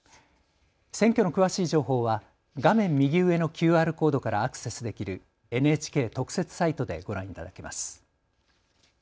選挙の詳しい情報は画面右上のＱＲコードからアクセスできるＮＨＫ特設サイトでご覧いただけます。